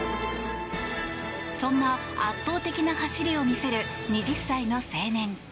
そんな圧倒的な走りを見せる二十歳の青年。